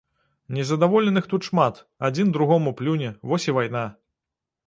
Незадаволеных тут шмат, адзін другому плюне, вось і вайна!